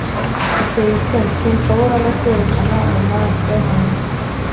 biteye isoni, sinshobora no kwerekana mu maso hanjye